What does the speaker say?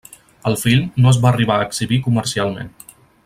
El film no es va arribar a exhibir comercialment.